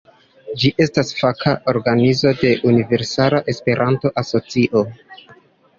Ĝi estas faka organizo de Universala Esperanto-Asocio.